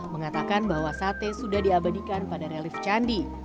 mengatakan bahwa sate sudah diabadikan pada relief candi